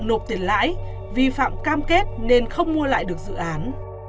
nộp tiền lãi vi phạm cam kết nên không mua lại được dự án